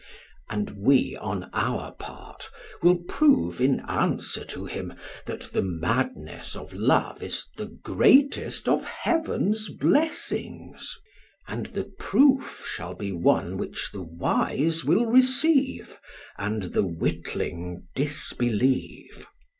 And we, on our part, will prove in answer to him that the madness of love is the greatest of heaven's blessings, and the proof shall be one which the wise will receive, and the witling disbelieve.